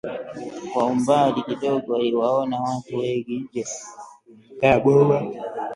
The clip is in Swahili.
Kwa umbali kidogo aliwaona watu wengi nje ya boma